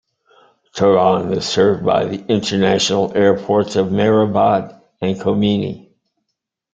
Tehran is served by the international airports of Mehrabad and Khomeini.